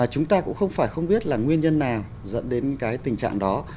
chúng ta cũng không phải không biết là nguyên nhân nào dẫn đến cái tình trạng đó